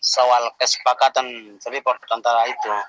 soal kesepakatan report antara itu